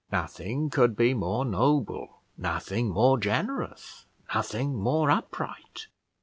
Nothing could be more noble, nothing more generous, nothing more upright.